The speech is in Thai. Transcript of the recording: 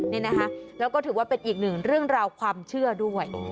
นี่นะคะแล้วก็ถือว่าเป็นอีกหนึ่งเรื่องราวความเชื่อด้วย